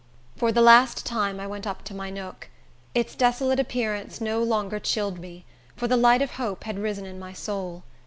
For the last time I went up to my nook. Its desolate appearance no longer chilled me, for the light of hope had risen in my soul.